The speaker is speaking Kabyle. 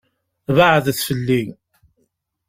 Beɛɛdet fell-i.